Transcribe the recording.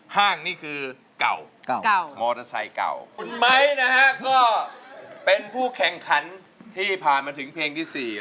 ห้างนี่คือเก่าเก่ามอเตอร์ไซค์เก่าคุณไม้นะฮะก็เป็นผู้แข่งขันที่ผ่านมาถึงเพลงที่สี่